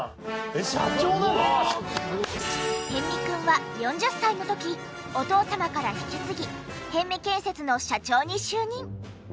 逸見くんは４０歳の時お父様から引き継ぎ逸見建設の社長に就任。